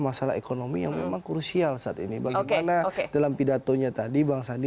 masalah ekonomi yang memang krusial saat ini bagaimana dalam pidatonya tadi bang sandi